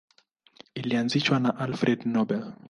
Ilianzishwa na Alfred Nobel.